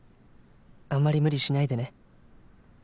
あんまり無理しないでね」。